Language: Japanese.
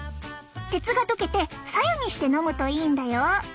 鉄が溶けてさ湯にして飲むといいんだよ！